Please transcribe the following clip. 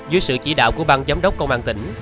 dưới sự chỉ đạo của bang giám đốc công an tỉnh